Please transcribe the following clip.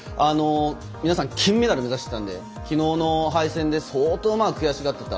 皆さん金メダルを目指してたんできのうの敗戦で相当悔しがっていた。